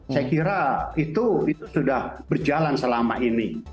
saya kira itu sudah berjalan selama ini